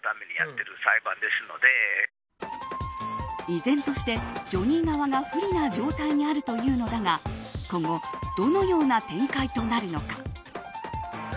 依然として、ジョニー側が不利な状態にあるというのだが今後どのような展開となるのか。